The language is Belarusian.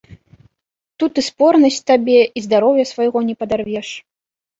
Тут і спорнасць табе і здароўя свайго не падарвеш.